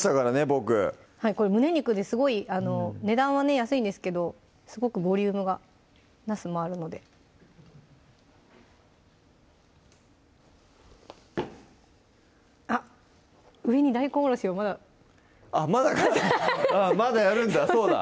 僕これ胸肉ですごい値段は安いんですけどすごくボリュームがなすもあるのであっ上に大根おろしがまだあっまだかまだやるんだそうだ